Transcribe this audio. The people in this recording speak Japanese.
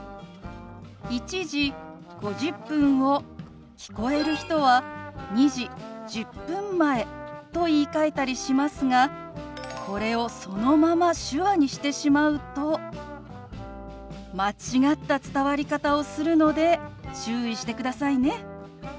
「１時５０分」を聞こえる人は「２時１０分前」と言いかえたりしますがこれをそのまま手話にしてしまうと間違った伝わり方をするので注意してくださいね。